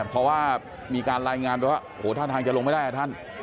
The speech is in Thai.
เพราะว่ามีการรายงานไปว่าโหท่าทางจะลงไม่ได้อ่ะท่าน